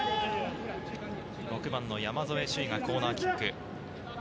６番、山副朱生がコーナーキック。